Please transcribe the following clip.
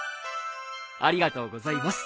ありがとうございます。